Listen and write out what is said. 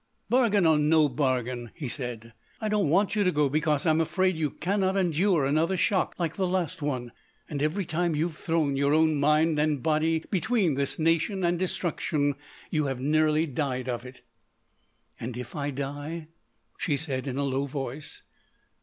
"Bargain or no bargain," he said, "I don't want you to go because I'm afraid you can not endure another shock like the last one.... And every time you have thrown your own mind and body between this Nation and destruction you have nearly died of it." "And if I die?" she said in a low voice.